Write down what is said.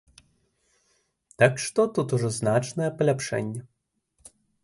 Так што тут ужо значнае паляпшэнне.